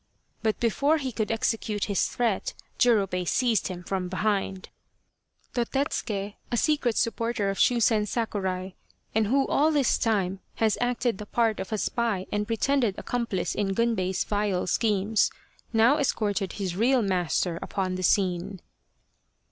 But before he could execute his threat Jurobei seized him from behind. 5 2 The Quest of the Sword Dotetsuke, a secret supporter of Shusen Sakurai, and who all this time has acted the part of a spy and pretended accomplice in Gunbei's vile schemes, now escorted his real master upon the scene.